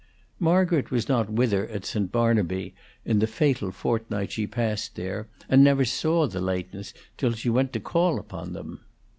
Margaret was not with her at St. Barnaby in the fatal fortnight she passed there, and never saw the Leightons till she went to call upon them.